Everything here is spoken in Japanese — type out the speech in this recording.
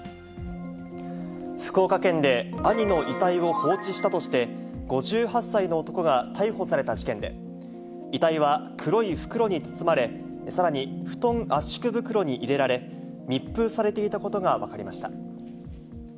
福岡県で、兄の遺体を放置したとして、５８歳の男が逮捕された事件で、遺体は黒い袋に包まれ、さらに布団圧縮袋に入れられ、密封されていたことが分かりました。